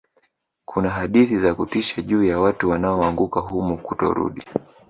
kuna hadithi za kutisha juu ya watu wanaoanguka humo kutorudi